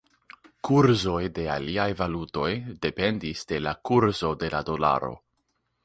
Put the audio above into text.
Kurzoj de aliaj valutoj dependis de la kurzo de la dolaro.